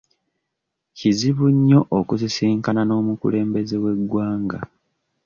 Kizibu nnyo okusisinkana n'omukulembeze w'eggwanga.